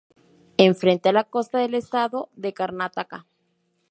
Es frente a la costa del estado de Karnataka.